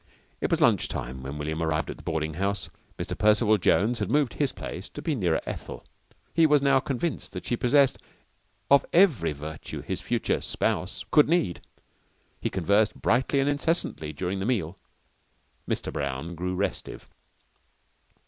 It was lunch time when William arrived at the boarding house. Mr. Percival Jones had moved his place so as to be nearer Ethel. He was now convinced that she was possessed of every virtue his future "spouse" could need. He conversed brightly and incessantly during the meal. Mr. Brown grew restive.